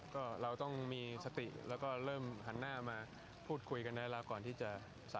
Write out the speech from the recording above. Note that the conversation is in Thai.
ก็เราต้องมีสติแล้วก็เริ่มหันหน้ามาพูดคุยกันในเวลาก่อนที่จะ